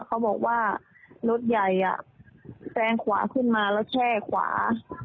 เขาบอกว่ารถใหญ่แซงขวาขึ้นมาแล้วแช่ขวา